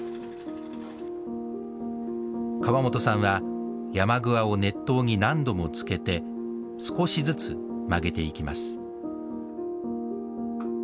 川本さんはヤマグワを熱湯に何度も漬けて少しずつ曲げていきます。